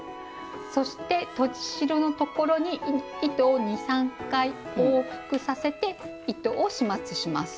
そしてとじ代のところに糸を２３回往復させて糸を始末します。